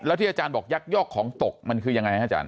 ที่อาจารย์บอกยักยอกของตกมันคือยังไงฮะอาจารย